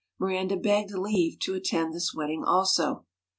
Miranda begged leave to attend this wedding also.